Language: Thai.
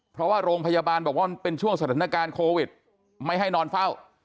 เพราะว่าโรงพยาบาลบอกว่ามันเป็นช่วงสถานการณ์โควิดไม่ให้นอนเฝ้า